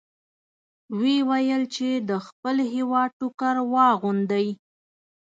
ویې ویل چې د خپل هېواد ټوکر واغوندئ.